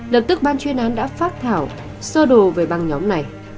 lập tức ban chuyên án đã phát thảo sơ đồ về băng nhóm này